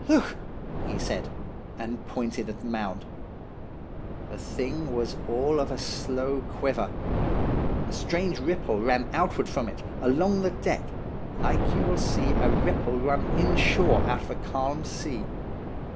"'Look!' he said, and pointed at the mound. The thing was all of a slow quiver. A strange ripple ran outward from it, along the deck, like you will see a ripple run inshore out of a calm sea.